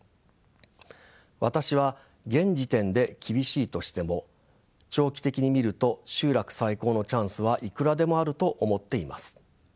私は現時点で厳しいとしても長期的に見ると集落再興のチャンスはいくらでもあると思っています。